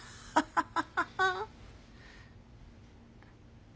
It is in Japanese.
ハハハハ。